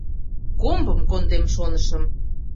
Комбым кондем шонышым